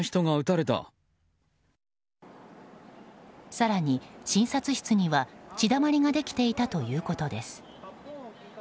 更に、診察室には血だまりができていたということです。